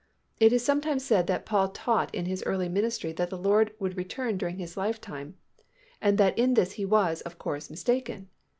It is sometimes said that Paul taught in his early ministry that the Lord would return during his lifetime, and that in this he was, of course, mistaken.